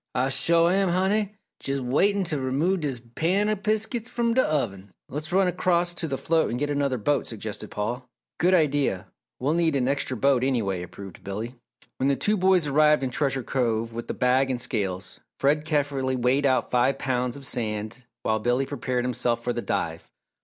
"Ah shore am, Honey! Jes' waitin' t' remove dis pan o' biskits from d' oven!" "Let's run across to the float and get another boat," suggested Paul. "Good idea we'll need an extra boat anyway," approved Billy. When the two boys arrived in Treasure Cove with the bag and scales, Fred carefully weighed out five pounds of sand while Billy prepared himself for the dive.